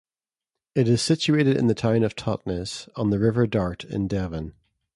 It is situated in the town of Totnes on the River Dart in Devon.